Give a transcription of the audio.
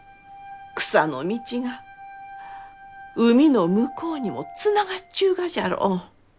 草の道が海の向こうにもつながっちゅうがじゃろう？